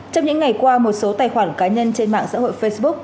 trong những ngày qua một số tài khoản cá nhân trên mạng xã hội facebook